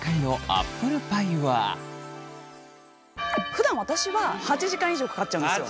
ふだん私は８時間以上かかっちゃうんですよ。